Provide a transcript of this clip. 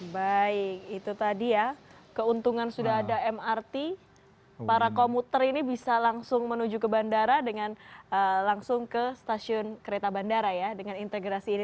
baik itu tadi ya keuntungan sudah ada mrt para komuter ini bisa langsung menuju ke bandara dengan langsung ke stasiun kereta bandara ya dengan integrasi ini